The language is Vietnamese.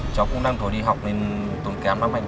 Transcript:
cháu cũng đang thuở đi học nên tốn kém lắm anh